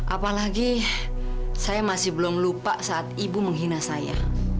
apalagi saya masih belum lupa saat ibu menghina saya